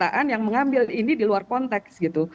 pernyataan yang mengambil ini di luar konteks gitu